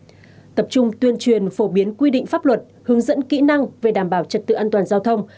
tập trung tuyên truyền phổ biến quy định pháp luật hướng dẫn kỹ năng về đảm bảo trật tự an toàn giao thông